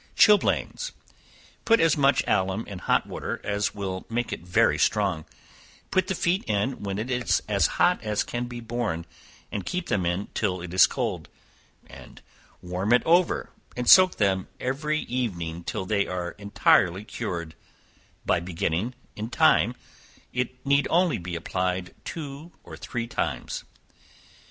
Chilblains. Put as much alum in hot water as will make it very strong, put the feet in when it is as hot as can be borne, and keep them in till it is cold, warm it over, and soak them every evening till they are entirely cured, by beginning in time, it need only be applied two or three times.